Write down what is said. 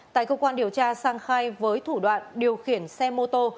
tại cơ quan điều tra sang khai với thủ đoạn điều khiển xe mô tô